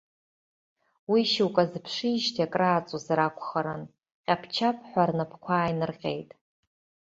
Уи шьоукы азыԥшижьҭеи акрааҵуазар акәхарын, ҟьаԥ-чаԥҳәа рнапқәа ааинырҟьеит.